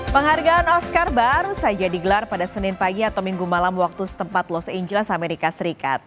penghargaan oscar baru saja digelar pada senin pagi atau minggu malam waktu setempat los angeles amerika serikat